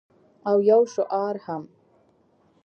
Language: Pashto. او یو شعار هم